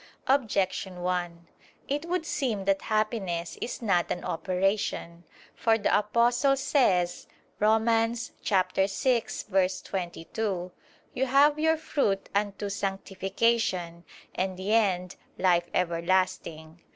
Objection 1: It would seem that happiness is not an operation. For the Apostle says (Rom. 6:22): "You have your fruit unto sanctification, and the end, life everlasting."